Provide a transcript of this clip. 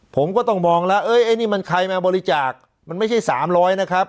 ผมก็ต้องมองแล้วเอ้ยไอ้นี่มันใครมาบริจาคมันไม่ใช่๓๐๐นะครับ